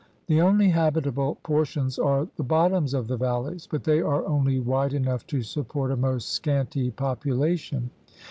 The only habitable portions are the bottoms of the valleys, but they are only wide enough to support a most scanty population.